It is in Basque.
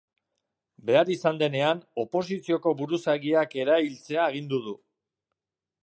Behar izan denean, oposizioko buruzagiak erailtzea agindu du.